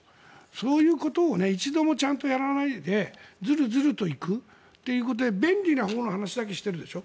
そういうことを一度もちゃんとやらないでずるずると行くということで便利なほうの話だけしているでしょ。